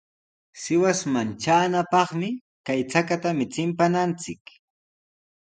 Sihuasman traanapaqmi kay chakatami chimpananchik.